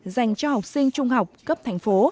dành cho học sinh trung học cấp thành phố